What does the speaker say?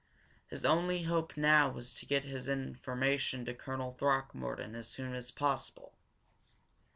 His only hope now was to get his information to Colonel Throckmorton as soon as possible.